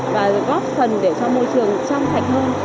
và góp phần để cho môi trường trong sạch hơn